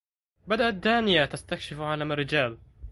بدأت دانية تستكشف عالم الرّجال.